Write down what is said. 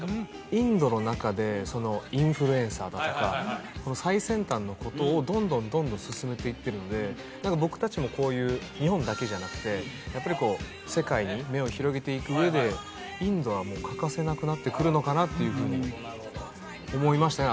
インドの中でインフルエンサーだとか最先端のことをどんどんどんどん進めていってるので何か僕達もこういう日本だけじゃなくてやっぱり世界に目を広げていく上でインドはもう欠かせなくなってくるのかなっていうふうに思いましたね